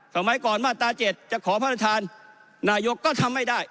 สมัยก่อนมาตรา๗จะขอพระธรรมโนโลก็ทำไม่ได้